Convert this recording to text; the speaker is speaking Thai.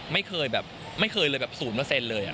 ไม่เคยแบบไม่เคยเลยแบบศูนย์เปอร์เซ็นต์เลย